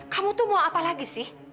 kamu tuh mau apa lagi sih